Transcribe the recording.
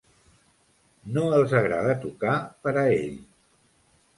No els agrada tocar per a ell.